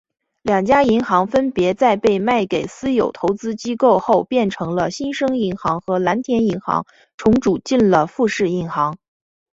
两家银行分别在被卖给私有投资机构后变成了新生银行和蓝天银行重组进了富士银行。